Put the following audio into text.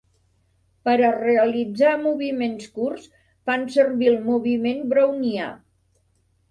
Per a realitzar moviments curts fan servir el moviment brownià.